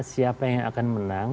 siapa yang akan menang